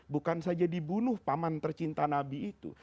bukan saja dibunuh paman tercinta nabi itu